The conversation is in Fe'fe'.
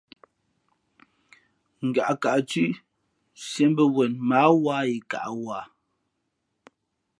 Ngaʼkaʼ thʉ̄ʼ siēʼ mbα̌ wen mα ǎ wa yi kaʼ wα.